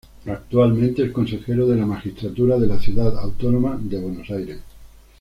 Actualmente es Consejero de la Magistratura de la Ciudad Autónoma de Buenos Aires.